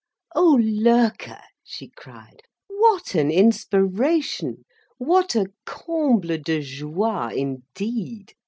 "Oh Loerke," she cried. "What an inspiration! What a _comble de joie indeed!